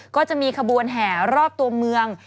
ก็จะมีขบวนแห่รอบตัวเมือง